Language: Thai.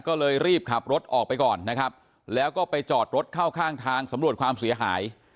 ก็เลยรีบขับรถออกไปก่อนนะครับแล้วก็ไปจอดรถเข้าข้างทางสำรวจความเสียหาย